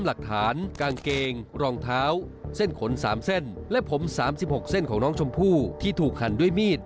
หลักเส้นของน้องชมพู่ที่ถูกหันด้วยมีด